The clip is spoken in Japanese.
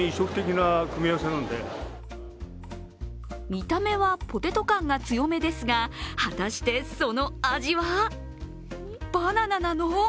見た目はポテト感が強めですが、果たしてその味はバナナなの？